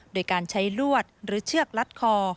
โดยการใช้ลวดหรือเชือกลัดคอ